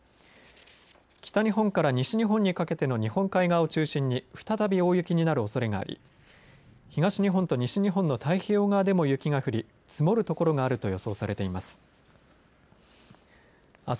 北日本から西日本にかけての日本海側を中心に再び大雪になるおそれがあり東日本と西日本の太平洋側でも雪が降り積もる所があると予想されています。